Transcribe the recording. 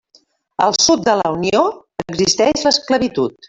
Al Sud de la Unió, existeix l'esclavitud.